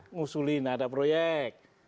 ngusulin ada proyek